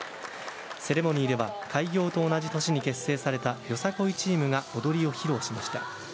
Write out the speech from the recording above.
セレモニーでは開業と同じ年に結成されたよさこいチームが踊りを披露しました。